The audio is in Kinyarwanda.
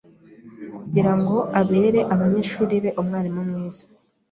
kugirango abere abanyeshuri be umwarimu mwiza.